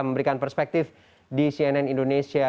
memberikan perspektif di cnn indonesia